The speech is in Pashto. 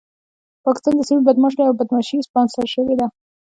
پاکستان د سيمې بدمعاش دی او بدمعاشي يې سپانسر شوې ده.